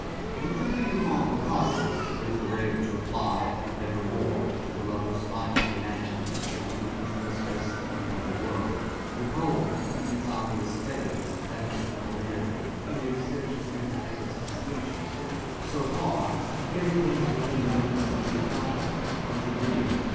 With the denouement proper with the Raven's reply, "Nevermore," to the lover's final demand if he shall meet his mistress in another world the poem, in its obvious phase, that of a simple narrative, may be said to have its completion. So far, everything is within the limits of the accountable of the real.